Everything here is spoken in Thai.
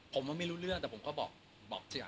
ผมก็ไม่รู้เรื่องแต่ผมก็บอก